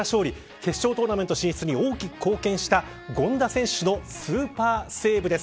決勝トーナメント進出に大きく貢献した権田選手のスーパーセーブです。